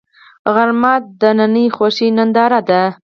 غرمه د دنننۍ خوښۍ ننداره ده